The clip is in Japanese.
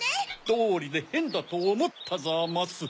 どうりでへんだとおもったざます。